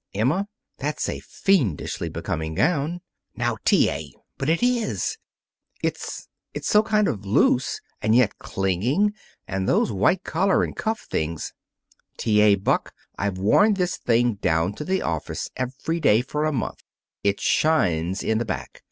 "Emma, that's a fiendishly becoming gown." "Now, T. A.!" "But it is! It it's so kind of loose, and yet clinging, and those white collar and cuff things " "T. A. Buck, I've worn this thing down to the office every day for a month. It shines in the back.